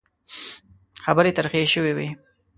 خبرې ترخې شوې وې.